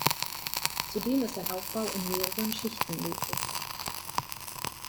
Zudem ist ein Aufbau in mehreren Schichten möglich.